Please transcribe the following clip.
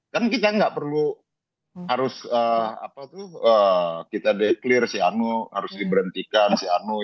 kan kita nggak perlu harus kita deklarasi harus diberhentikan